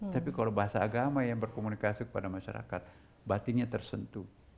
tapi kalau bahasa agama yang berkomunikasi kepada masyarakat batinnya tersentuh